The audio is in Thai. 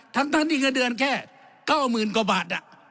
ทั้งที่เงินเดือนแค่๙๐๐๐กว่าบาท